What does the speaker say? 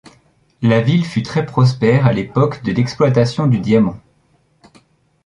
La ville fut très prospère à l'époque de l'exploitation du diamant.